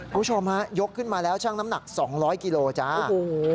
ผู้ชมยกขึ้นมาแล้วช่างน้ำหนัก๒๐๐กิโลกรัม